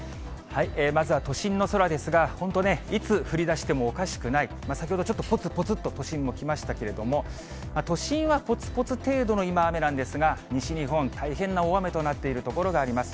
まずは都心の空ですが、本当ね、いつ降りだしてもおかしくない、先ほど、ちょっとぽつぽつっと都心もきましたけれども、都心はぽつぽつ程度の今、雨なんですが、西日本、大変な大雨となっている所があります。